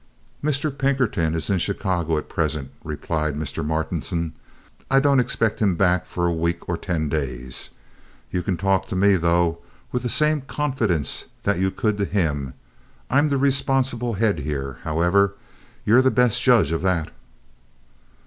"Mr. Pinkerton is in Chicago at present," replied Mr. Martinson. "I don't expect him back for a week or ten days. You can talk to me, though, with the same confidence that you could to him. I'm the responsible head here. However, you're the best judge of that."